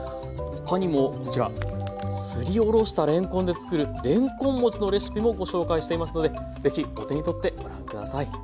他にもこちらすりおろしたれんこんで作るれんこん餅のレシピもご紹介していますので是非お手に取ってご覧下さい。